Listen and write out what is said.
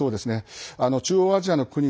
中央アジアの国々